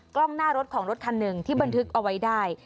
กล้องหน้ารถของรถคันหนึ่งที่บันทึกเอาไว้ได้